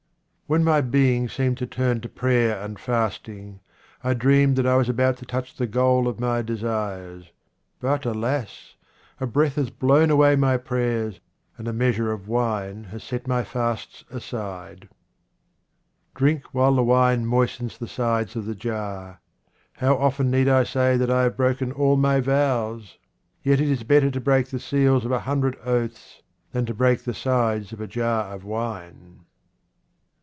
When my being seemed to turn to prayer and fasting, I dreamed that I was about to touch the goal of my desires ; but, alas ! a breath has blown away my prayers and a measure of wine has set my fasts aside. Drink while the wine moistens the sides of the jar. How often need I say that I have broken all my vows ? Yet it is better to break the seals of a hundred oaths than to break the sides of a jar of wine.